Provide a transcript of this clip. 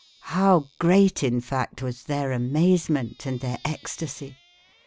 How great in fact was their amazement and their ecstasy!